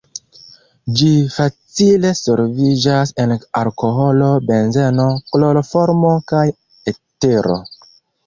Ĝi facile solviĝas en alkoholo, benzeno, kloroformo kaj etero.